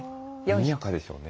にぎやかでしょうね。